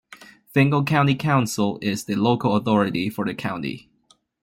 Fingal County council is the local authority for the county.